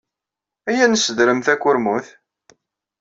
Iyya ad nessedrem takurmut.